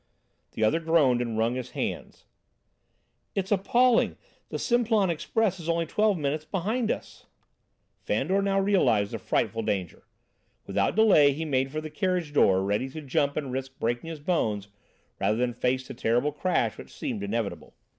The other groaned and wrung his hands. "It's appalling! The Simplon express is only twelve minutes behind us!" Fandor now realized the frightful danger. Without delay he made for the carriage door, ready to jump and risk breaking his bones rather than face the terrible crash which seemed inevitable.